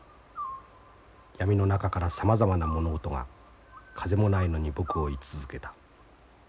闇の中からさまざまな物音が風もないのに僕を射続けた。